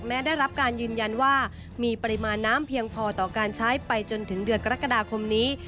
ได้รับการยืนยันว่ามีปริมาณน้ำเพียงพอต่อการใช้ไปจนถึงเดือนกรกฎาคมนี้